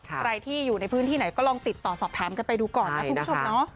อะไรที่อยู่ในพื้นที่ไหนก็ลองติดต่อสอบถามกันไปดูก่อนนะครับ